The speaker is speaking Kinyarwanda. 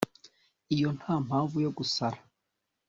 iyo ntampamvu yo gusara